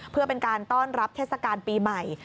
เพื่อเป็นการต้อนรับเทศกาลปีใหม่